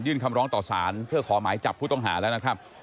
คำร้องต่อสารเพื่อขอหมายจับผู้ต้องหาแล้วนะครับ